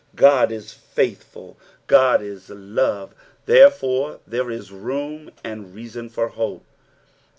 Ood is faithful, Qod is luve, therefore there is room and reasoa for hope.